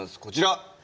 こちら。